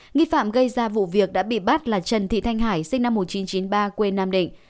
nghi phạm gây ra vụ việc đã bị bắt là trần thị thanh hải sinh năm một nghìn chín trăm chín mươi ba quê nam định